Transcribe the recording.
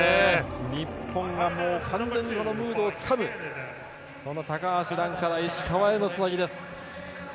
日本が完全にムードをつかむ高橋藍から石川へのつなぎです。